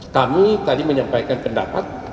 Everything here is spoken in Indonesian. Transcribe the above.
kami tadi menyampaikan pendapat